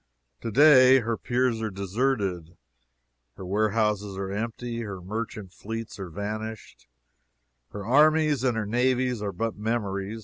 To day her piers are deserted, her warehouses are empty, her merchant fleets are vanished, her armies and her navies are but memories.